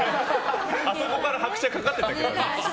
あそこから拍車かかってたけどな。